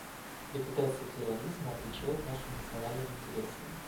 Ликвидация терроризма отвечает нашим национальным интересам.